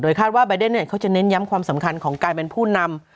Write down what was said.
คาดว่าบายเดนเขาจะเน้นย้ำความสำคัญของการเป็นผู้นำ